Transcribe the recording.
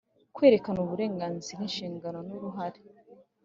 Kwerekana uburenganzira inshingano n uruhare